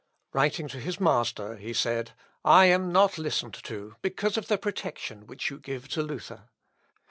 Writing to his master, he said, "I am not listened to, because of the protection which you give to Luther."